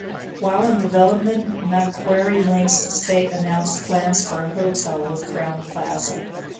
While in development Macquarie Links estate announced plans for a Hotel, with Crowne Plaza.